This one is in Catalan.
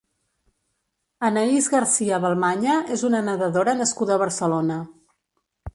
Anaïs Garcia Balmaña és una nedadora nascuda a Barcelona.